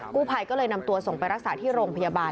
ผู้ภัยก็เลยนำตัวส่งไปรักษาที่โรงพยาบาล